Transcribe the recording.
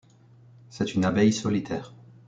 C'est une abeille solitaire.